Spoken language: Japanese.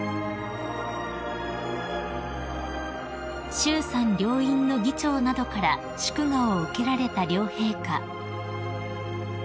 ［衆参両院の議長などから祝賀を受けられた両陛下］